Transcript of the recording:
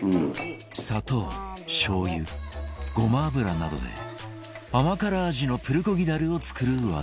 砂糖しょう油ごま油などで甘辛味のプルコギダレを作る和田